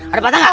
ada patah gak